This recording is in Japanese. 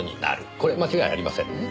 これ間違いありませんね？